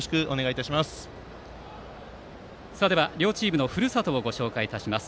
両チームのふるさとをご紹介いたします。